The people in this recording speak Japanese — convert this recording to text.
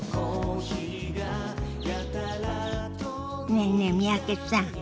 ねえねえ三宅さん。